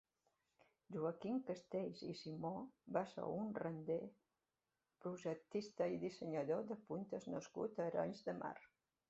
Joaquim Castells i Simón va ser un rander, projectista i dissenyador de puntes nascut a Arenys de Mar.